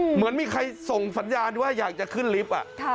เหมือนมีใครส่งสัญญาณว่าอยากจะขึ้นลิฟต์